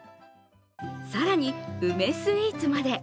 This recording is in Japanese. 更に梅スイーツまで。